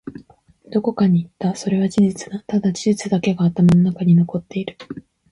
どこかに行った。それは事実だ。ただ、事実だけが頭の中に残っている。